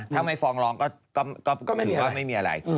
ถ้าไม่ฟองร้องก็ไม่มีอะไร